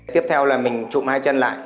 tiếp theo là mình trụm hai chân lại